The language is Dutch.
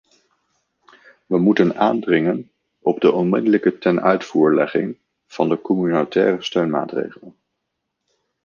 We moeten aandringen op de onmiddellijke tenuitvoerlegging van de communautaire steunmaatregelen.